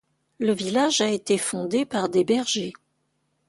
Le village a été fondé par des bergers.